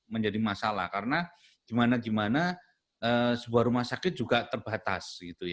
menjadi masalah karena gimana gimana sebuah rumah sakit juga terbatas